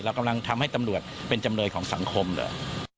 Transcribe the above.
กำลังทำให้ตำรวจเป็นจำเลยของสังคมเหรอ